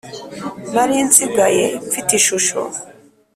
nari nsigaye mfite ishusho